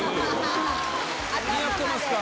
似合ってますか。